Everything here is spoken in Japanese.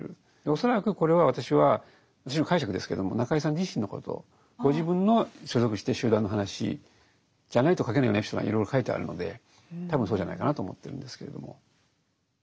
恐らくこれは私は私の解釈ですけどもご自分の所属してる集団の話じゃないと書けないようなエピソードがいろいろ書いてあるので多分そうじゃないかなと思ってるんですけれども。